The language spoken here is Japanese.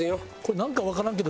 なんかわからんけど。